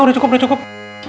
udah cukup udah cukup